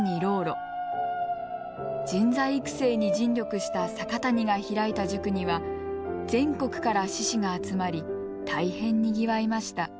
人材育成に尽力した阪谷が開いた塾には全国から志士が集まり大変にぎわいました。